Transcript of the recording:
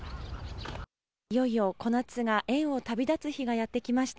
いよいよコナツが園を旅立つ日がやって来ました。